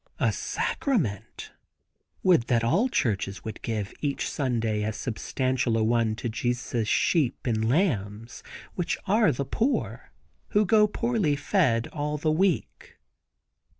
A sacrament! Would that all the churches would give each Sunday as substantial a one to Jesus' sheep and lambs, which are the poor, who go poorly fed all the week.